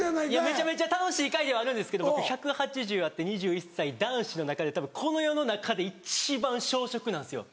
めちゃめちゃ楽しい会ではあるんですけど僕１８０あって２１歳男子の中でたぶんこの世の中で一番小食なんですよ。